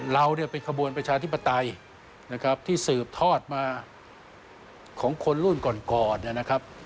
เราเป็นขบวนประชาธิปไตยที่สืบทอดมาของคนรุ่นก่อนนะครับ